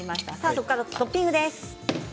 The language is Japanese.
ここからトッピングです。